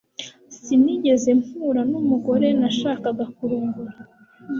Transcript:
Sinigeze mpura numugore nashakaga kurongora